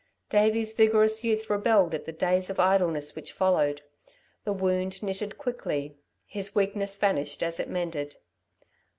Davey's vigorous youth rebelled at the days of idleness which followed. The wound knitted quickly; his weakness vanished as it mended.